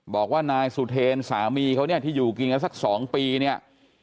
บอกว่านายสุเทรนสามีเขาเนี่ยที่อยู่กินกันสัก๒ปีเนี่ย